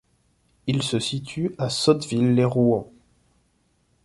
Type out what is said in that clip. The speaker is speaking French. Il se situe à Sotteville-lès-Rouen.